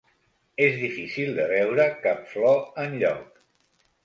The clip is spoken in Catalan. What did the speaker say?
És difícil de veure cap flor enlloc